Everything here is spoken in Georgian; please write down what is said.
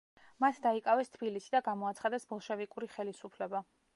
მათ დაიკავეს თბილისი და გამოაცხადეს ბოლშევიკური ხელისუფლება.